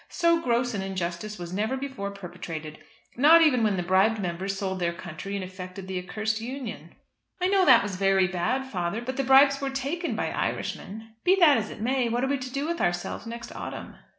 So gross an injustice was never before perpetrated not even when the bribed members sold their country and effected the accursed Union." "I know that was very bad, father, but the bribes were taken by Irishmen. Be that as it may, what are we to do with ourselves next autumn?"